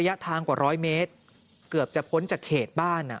ระยะทางกว่า๑๐๐เมตรเกือบจะพ้นจากเขตบ้านนะ